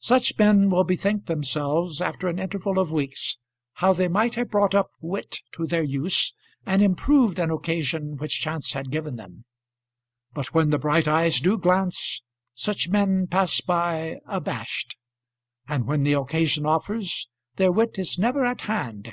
Such men will bethink themselves, after an interval of weeks, how they might have brought up wit to their use and improved an occasion which chance had given them. But when the bright eyes do glance, such men pass by abashed; and when the occasion offers, their wit is never at hand.